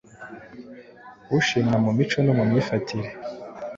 ushimwa mu mico no mu myifatire.